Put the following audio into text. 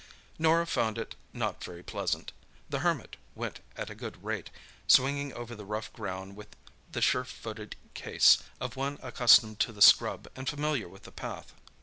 Norah found it not very pleasant. The Hermit went at a good rate, swinging over the rough ground with the sure footed case of one accustomed to the scrub and familiar with the path.